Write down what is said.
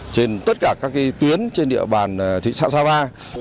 trên tất cả các tuyến trên địa bàn thị xã sapa